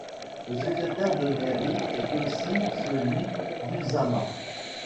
Le secrétaire de mairie est aussi celui d'Ultzama.